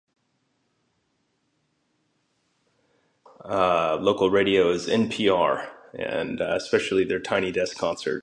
Uhhhh local radio is NPR...and, uh, especially their tiny desk concert.